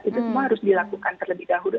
itu semua harus dilakukan terlebih dahulu